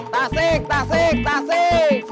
tasik tasik tasik